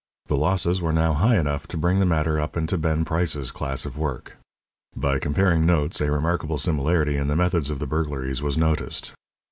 The losses were now high enough to bring the matter up into Ben Price's class of work. By comparing notes, a remarkable similarity in the methods of the burglaries was noticed.